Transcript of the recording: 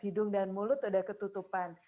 hidung dan mulut ada ketutupan